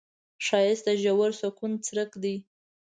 ښایست د ژور سکون څرک دی